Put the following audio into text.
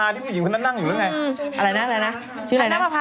ที่ผู้หญิงคนนั่นนั่งอยู่รึไงอะไรนะอะไรนะชื่ออะไรนะแพทนับภาพอ๋อ